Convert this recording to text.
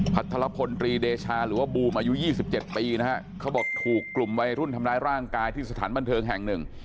ทรพลตรีเดชาหรือว่าบูมอายุ๒๗ปีนะฮะเขาบอกถูกกลุ่มวัยรุ่นทำร้ายร่างกายที่สถานบันเทิงแห่งหนึ่ง